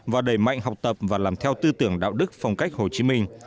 và đẩy mạnh học tập và làm theo tư tưởng đạo đức phong cách hồ chí minh